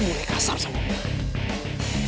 lu mulai kasar sama gue